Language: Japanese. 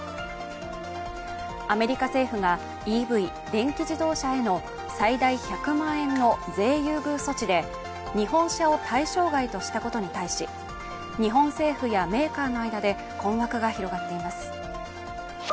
アメリカ政府がＥＶ＝電気自動車への最大１００万円の税優遇措置で日本車を対象外としたことに対し日本政府やメーカーなどの間で困惑が広がっています。